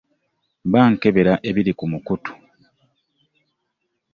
Mba nkebera ebiri ku mukutu,.